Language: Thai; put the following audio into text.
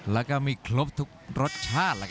รับทราบบรรดาศักดิ์